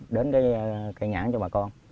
đến cái nhãn cho bà con